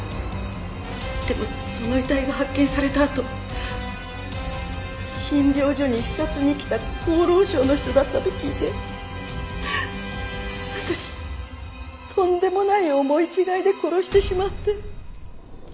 でもその遺体が発見されたあと診療所に視察に来た厚労省の人だったと聞いて私とんでもない思い違いで殺してしまって。